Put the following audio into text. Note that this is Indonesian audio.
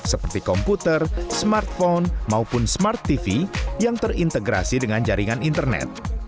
seperti komputer smartphone maupun smart tv yang terintegrasi dengan jaringan internet